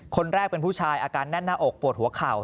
คนแรกเป็นผู้ชายอาการแน่นหน้าอกปวดหัวเข่า